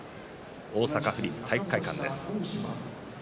大阪府立体育会館です。